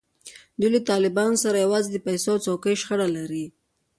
دوی له طالبانو سره یوازې د پیسو او څوکیو شخړه لري.